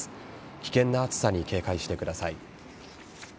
危険な暑さに警戒してください。